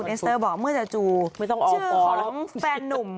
เอสเตอร์เขาออกมาพูดเองเลยว่า